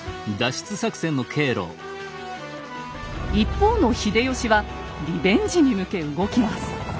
一方の秀吉はリベンジに向け動きます。